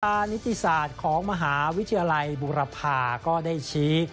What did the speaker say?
นิติศาสตร์ของมหาวิทยาลัยบุรพาก็ได้ชี้